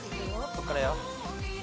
こっからよ。